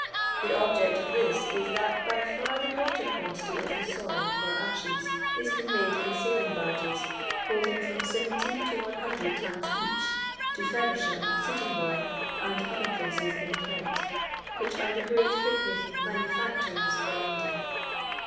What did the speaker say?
The object of this is, that by fax the greater quantity of the soil or ashes is conveyed in sailing barges, holding from 70 to 100 tons each, to Feversham, Sitting bourne, and other places in Kent, which are the great brick making manufactories for London.